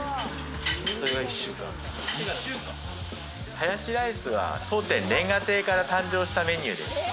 ハヤシライスは、当店、煉瓦亭から誕生したメニューです。